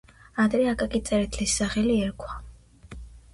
ადრე აკაკი წერეთლის სახელი ერქვა.